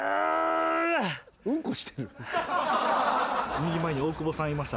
右前に大久保さんいました。